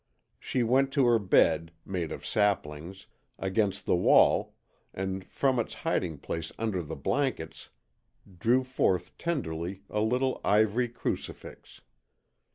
She went to her bed, made of saplings, against the wall, and from its hiding place under the blankets drew forth tenderly a little ivory Crucifix.